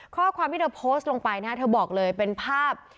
ข้อความที่เธอโพสต์ลงไปนะเธอบอกเลยเป็นภาพ